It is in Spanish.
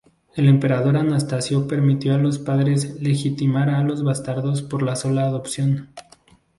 El emperador Anastasio permitió a los padres legitimar los bastardos por la sola adopción.